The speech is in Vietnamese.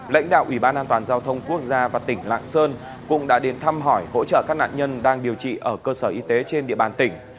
lãnh đạo ủy ban an toàn giao thông quốc gia và tỉnh lạng sơn cũng đã đến thăm hỏi hỗ trợ các nạn nhân đang điều trị ở cơ sở y tế trên địa bàn tỉnh